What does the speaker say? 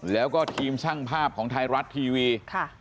แล้วก็ทีมช่างภาพของไทรัตว์ทีวีค่ะ